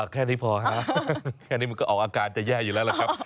แค่นี้พอฮะแค่นี้มันก็ออกอาการจะแย่อยู่แล้วล่ะครับ